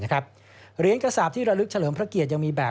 เหรียญกระสาปที่ระลึกเฉลิมพระเกียรติยังมีแบบ